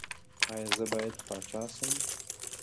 ایا زه باید پاچا شم؟